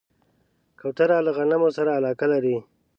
کوتره له غنمو سره علاقه لري.